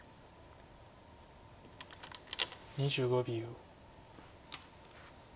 ２５秒。